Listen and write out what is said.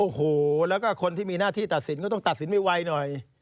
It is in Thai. โอ้โหแล้วก็คนที่มีหน้าที่ตัดสินก็ต้องตัดสินไวหน่อย